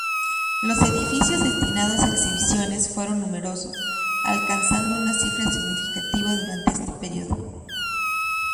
Los edificios destinados a exhibiciones fueron numerosos, alcanzando una cifra significativa durante este periodo.